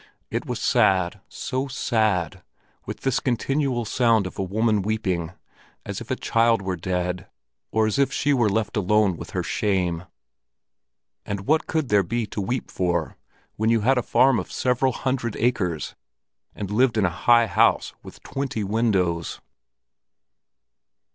It was sad, so sad, with this continual sound of a woman weeping, as if a child were dead, or as if she were left alone with her shame. And what could there be to weep for, when you had a farm of several hundred acres, and lived in a high house with twenty windows!